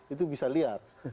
itu bisa liar